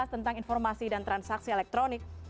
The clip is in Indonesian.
tentang informasi dan transaksi elektronik